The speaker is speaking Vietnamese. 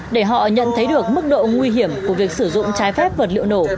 để họ nhận thấy được mức độ nguy hiểm của việc sử dụng trái phép vật liệu nổ